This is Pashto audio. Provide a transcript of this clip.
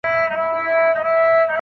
چي کرۍ ورځ یې په سرو اوښکو تیریږي